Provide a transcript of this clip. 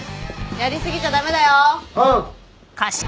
やり過ぎちゃ駄目だよ。